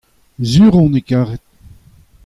sur on e karhed.